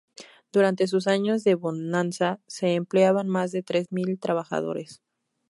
Durante sus años de bonanza se empleaban más de tres mil trabajadores.